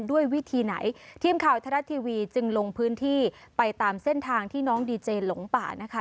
ด้วยวิธีไหนทีมข่าวทรัฐทีวีจึงลงพื้นที่ไปตามเส้นทางที่น้องดีเจหลงป่านะคะ